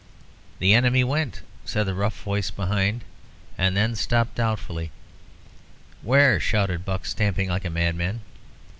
"The enemy went " said the rough voice behind, and then stopped doubtfully. "Where?" shouted Buck, stamping like a madman.